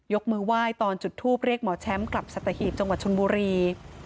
มือไหว้ตอนจุดทูปเรียกหมอแชมป์กลับสัตหีบจังหวัดชนบุรี